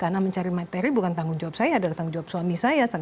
karena mencari materi bukan tanggung jawab saya adalah tanggung jawab suami saya